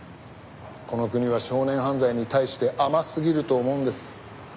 この国は少年犯罪に対して甘すぎると思うんです。